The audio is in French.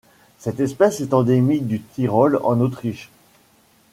Cette espèce est endémique du Tyrol en Autriche.